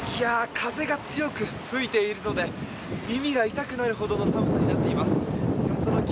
風が強く吹いているので耳が痛くなるほどの寒さになっています。